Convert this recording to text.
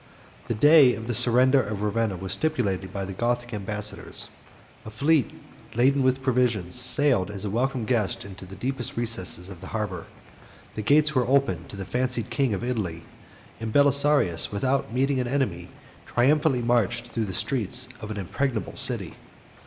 The day of the surrender of Ravenna was stipulated by the Gothic ambassadors: a fleet, laden with provisions, sailed as a welcome guest into the deepest recess of the harbor: the gates were opened to the fancied king of Italy; and Belisarius, without meeting an enemy, triumphantly marched through the streets of an impregnable city.